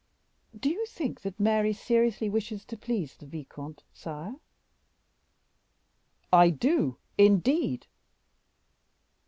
"Do you think that Mary seriously wishes to please the vicomte, sire?" "I do, indeed."